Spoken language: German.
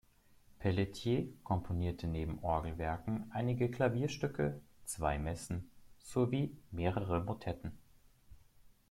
Pelletier komponierte neben Orgelwerken einige Klavierstücke, zwei Messen sowie mehrere Motetten.